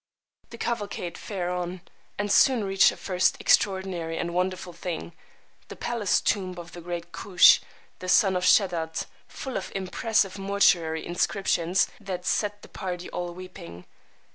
[The cavalcade fare on, and soon reach a first "extraordinary and wonderful thing," the palace tomb of great "Koosh, the son of Sheddad," full of impressive mortuary inscriptions that set the party all a weeping.